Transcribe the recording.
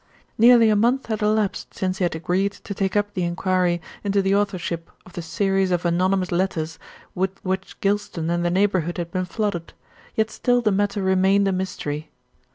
Nearly a month had elapsed since he had agreed to take up the enquiry into the authorship of the series of anonymous letters with which Gylston and the neighbourhood had been flooded; yet still the matter remained a mystery.